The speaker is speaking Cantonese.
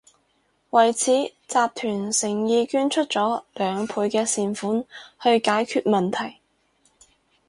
為此，集團誠意捐出咗兩倍嘅善款去解決問題